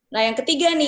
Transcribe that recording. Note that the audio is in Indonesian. nah yang ketiga nih